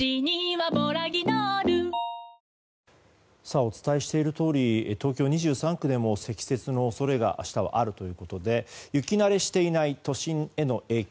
お伝えしているとおり東京２３区でも積雪の恐れが明日はあるということで雪慣れしていない都心への影響